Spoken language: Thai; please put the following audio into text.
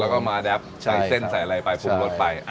แล้วก็มาแดปใส่เส้นใส่อะไรไปปรุงรสไป